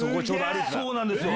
そうなんですよ。